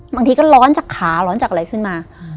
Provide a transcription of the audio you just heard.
บางทีก็ร้อนจากขาร้อนจากอะไรขึ้นมา